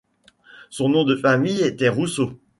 Son nom de famille était Rousseau.